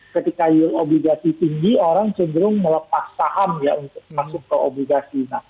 ketika yield obligasi tinggi orang cenderung melepas saham ya untuk masuk ke obligasi